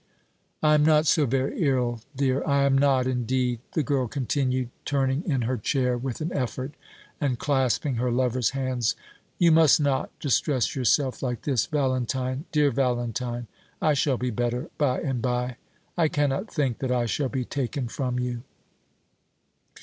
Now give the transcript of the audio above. "I am not so very ill, dear; I am not indeed," the girl continued, turning in her chair with an effort, and clasping her lover's hands; "you must not distress yourself like this, Valentine dear Valentine! I shall be better by and by. I cannot think that I shall be taken from you."